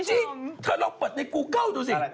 จริงถ้าลองเปิดไซแวตรีวัลดูสิ